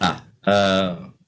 pak sandiaga silahkan